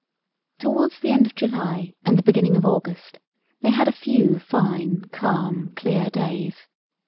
Towards the end of July and the beginning of August they had a few fine, calm, clear days.